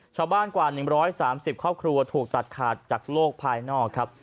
กว่า๑๓๐ครอบครัวถูกตัดขาดจากโลกภายนอกครับ